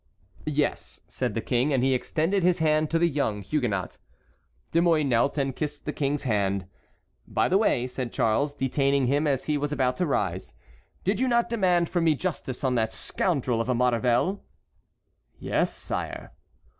"Yes," said the King, and he extended his hand to the young Huguenot. De Mouy knelt and kissed the King's hand. "By the way," said Charles, detaining him as he was about to rise, "did you not demand from me justice on that scoundrel of a Maurevel?" "Yes, sire."